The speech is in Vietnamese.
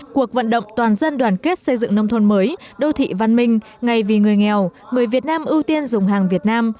cuộc vận động toàn dân đoàn kết xây dựng nông thôn mới đô thị văn minh ngày vì người nghèo người việt nam ưu tiên dùng hàng việt nam